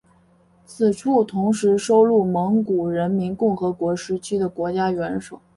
此处同时收录蒙古人民共和国时期的国家元首。